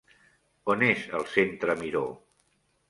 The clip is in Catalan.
On és el Centre Miró?